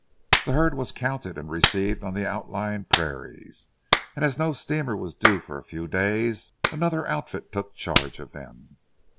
The herd was counted and received on the outlying prairies, and as no steamer was due for a few days, another outfit took charge of them.